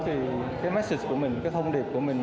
thì cái marxit của mình cái thông điệp của mình